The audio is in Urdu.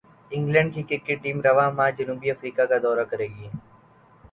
انگلینڈ کی کرکٹ ٹیم رواں ماہ جنوبی افریقہ کا دورہ کرے گی